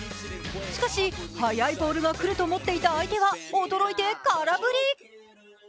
しかし、速いボールが来ると思っていた相手は驚いて空振り。